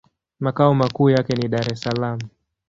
Makao makuu yake ni Dar-es-Salaam.